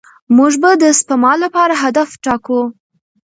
موږ به د سپما لپاره هدف ټاکو.